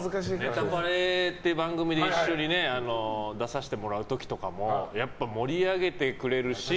「ネタパレ」っていう番組で一緒に出させてもらう時とかもやっぱり盛り上げてくれるし